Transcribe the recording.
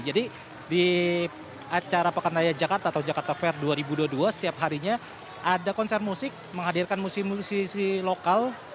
jadi di acara pekan raya jakarta atau jakarta fair dua ribu dua puluh dua setiap harinya ada konser musik menghadirkan musisi lokal